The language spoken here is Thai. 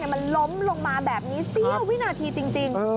มันล้มลงมาแบบนี้เสี้ยววินาทีจริง